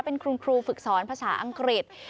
เป็นคุณครูฝึกสอนภาษาอังกฤษ